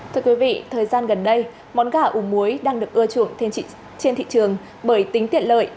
thưa quý vị thời gian gần đây món gà ủ muối đang được ưa chuộng trên thị trường bởi tính tiện lợi